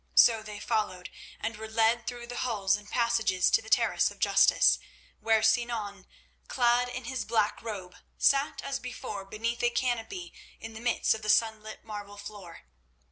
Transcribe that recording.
So they followed, and were led through the halls and passages to the terrace of justice, where Sinan, clad in his black robe, sat as before beneath a canopy in the midst of the sun lit marble floor.